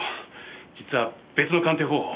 実は別の鑑定方法